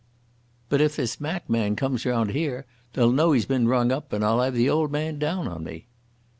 "But if this Mac man comes round 'ere, they'll know 'e's bin rung up, and I'll 'ave the old man down on me."